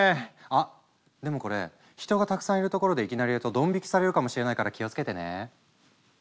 あっでもこれ人がたくさんいる所でいきなりやるとドン引きされるかもしれないから気をつけてね。